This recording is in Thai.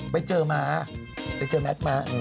ไปเจอมาไปเจอแมทมา